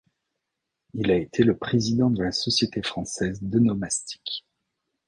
Il a été le président de la Société française d'Onomastique.